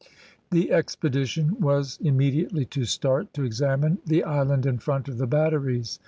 The expedition was immediately to start to examine the island in front of the batteries.